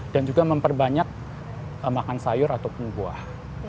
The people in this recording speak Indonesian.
dan juga memperbanyak makan sayur ataupun buah